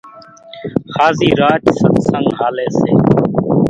هازِي راچ ستسنڳ هاليَ سي۔